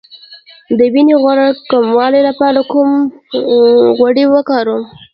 د وینې غوړ کمولو لپاره کوم غوړي وکاروم؟